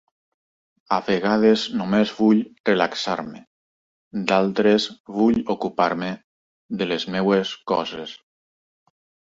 A vegades només vull relaxar-me, d'altres vull ocupar-me de les meves coses.